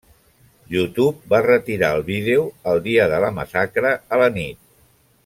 YouTube va retirar el vídeo el dia de la massacre a la nit.